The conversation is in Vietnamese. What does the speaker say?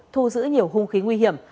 thu giữ nhiều hung khí nguy hiểm